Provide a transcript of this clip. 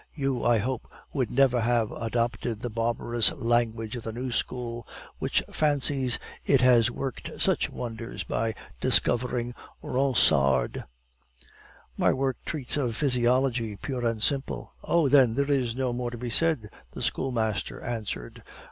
"You, I hope, would never have adopted the barbarous language of the new school, which fancies it has worked such wonders by discovering Ronsard!" "My work treats of physiology pure and simple." "Oh, then, there is no more to be said," the schoolmaster answered.